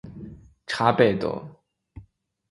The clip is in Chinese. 茶百道